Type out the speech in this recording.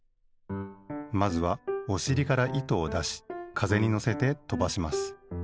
まずはおしりから糸をだしかぜにのせてとばします。